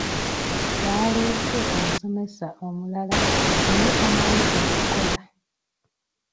Baaleese omusomesa omulala naye tamanyi kyakukola.